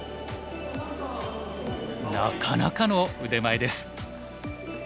なかなかの腕前です。